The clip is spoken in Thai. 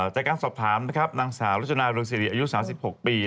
จากการสอบถามนางสาวรจนาบริษัทอายุ๓๖ปี